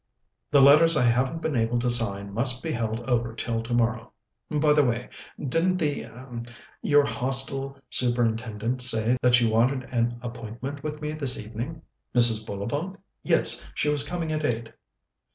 "The letters I haven't been able to sign must be held over till tomorrow. By the way, didn't the er your Hostel Superintendent say that she wanted an appointment with me this evening?" "Mrs. Bullivant? Yes. She was coming at eight."